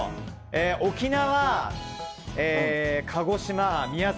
沖縄、鹿児島、宮崎